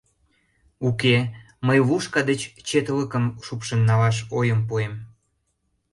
Уке, мый Лушка деч четлыкым шупшын налаш ойым пуэм...